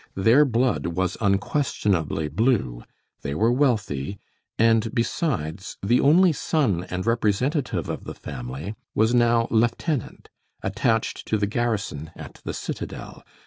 Their blood was unquestionably blue, they were wealthy, and besides, the only son and representative of the family was now lieutenant, attached to the garrison at the Citadel.